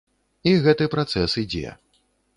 І гэты працэс ідзе.